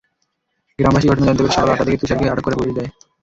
গ্রামবাসী ঘটনা জানতে পেরে সকাল আটটার দিকে তুষারকে আটক করে পুলিশে দেয়।